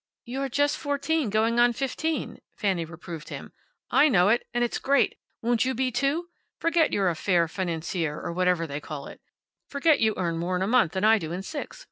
"You're just fourteen, going on fifteen," Fanny reproved him. "I know it. And it's great! Won't you be, too? Forget you're a fair financier, or whatever they call it. Forget you earn more in a month than I do in six.